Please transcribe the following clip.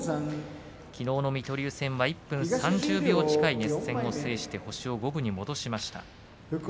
きのうの水戸龍戦は１分３０秒近い熱戦を制して星を五分に戻しました。